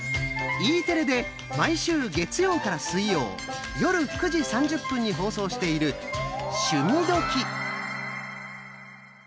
Ｅテレで毎週月曜から水曜夜９時３０分に放送している「趣味どきっ！」。